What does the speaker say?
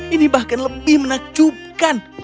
ini bahkan lebih menakjubkan